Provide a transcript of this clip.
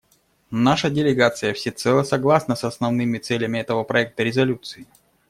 Наша делегация всецело согласна с основными целями этого проекта резолюции.